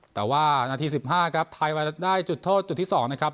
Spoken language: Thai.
แต่ว่าหน้าที่สิบห้าครับไทยได้จุดโทษจุดที่สองนะครับ